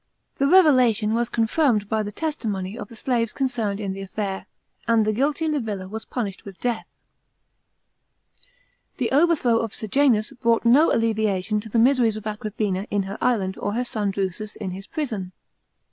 The revelation was confirmed by the testimony of the slaves concerned in the affair, and the guilty Livilla was punished with death. '«••£§ 20. The overthrow of Sejanus brought no alleviation to the miseries of Agrippina in her island or her son Drusus in his prison.